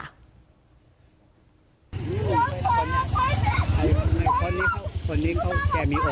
เรื่องของทราบปากเลย